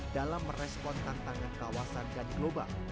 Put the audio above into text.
dalam merespon tantangan kawasan dan global